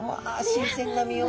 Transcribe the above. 新鮮な身を。